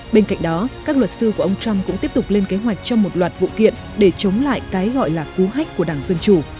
bên cạnh đó các luật sư của ông trump cũng tiếp tục lên kế hoạch cho một loạt vụ kiện để chống lại cái gọi là cú hách của đảng dân chủ